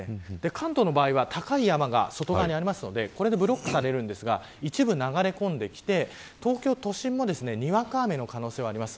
関東の場合は高い山が外側にありますんでこれでブロックされますが一部流れ込んできて東京都心もにわか雨の可能性があります。